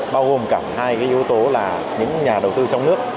bao gồm cả hai yếu tố là những nhà đầu tư trong nước